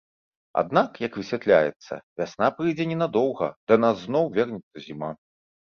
Аднак, як высвятляецца, вясна прыйдзе ненадоўга, да нас зноў вернецца зіма.